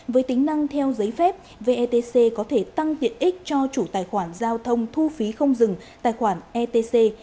với tính năng theo giấy phép vetc có thể tăng tiện ích cho chủ tài khoản giao thông thu phí không dừng tài khoản etc